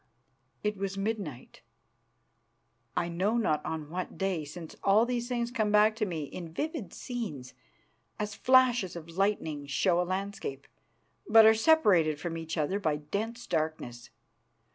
It was midnight, I know not on what day, since all these things come back to me in vivid scenes, as flashes of lightning show a landscape, but are separated from each other by dense darkness.